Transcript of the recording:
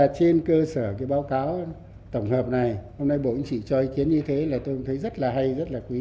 và trên cơ sở cái báo cáo tổng hợp này hôm nay bộ anh chị cho ý kiến như thế là tôi thấy rất là hay rất là quý